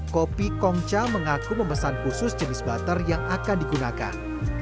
kopi kongca mengaku memesan khusus jenis butter yang akan digunakan